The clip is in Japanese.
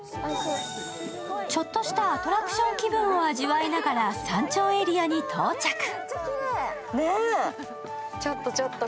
ちょっとしたアトラクション気分を味わいながら山頂エリアに到着。